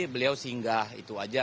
beliau singgah itu aja